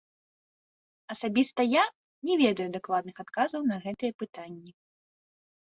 Асабіста я не ведаю дакладных адказаў на гэтыя пытанні.